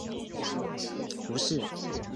吴氏光水蚤为光水蚤科光水蚤属下的一个种。